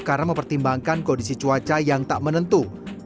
karena mempertimbangkan kondisi cuaca yang tak menentu